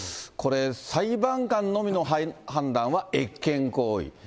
これ、裁判官のみの判断は越権行為。